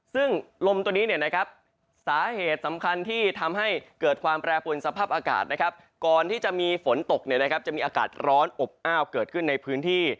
ซึ่งลมตัวนี้สาเหตุสำคัญที่ทำให้เกิดความแปรปวนสภาพอากาศนะครับก่อนที่จะมีฝนตกจะมีอากาศร้อนอบอ้าวเกิดขึ้นในพื้นที่